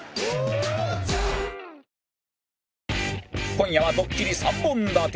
今夜はドッキリ３本立て